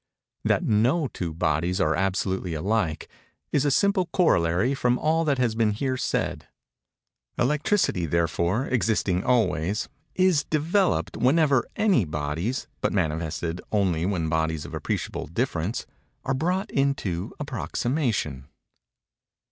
_ That no two bodies are absolutely alike, is a simple corollary from all that has been here said. Electricity, therefore, existing always, is developed whenever any bodies, but manifested only when bodies of appreciable difference, are brought into approximation.